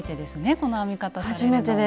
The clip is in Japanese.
この編み方されるのは。